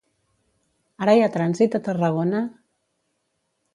Ara hi ha trànsit a Tarragona?